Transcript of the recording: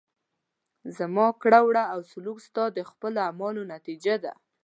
زما کړه وړه او سلوک ستا د خپلو عملونو نتیجه ده.